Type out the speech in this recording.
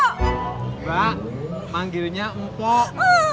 mbak manggilnya mpok